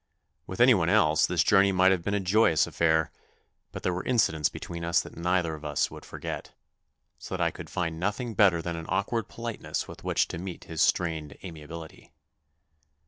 With any one else this journey might have been a joyous affair, but there were incidents between us that neither of us would forget, so that I could find nothing better than an awkward polite ness with which to meet his strained amiability.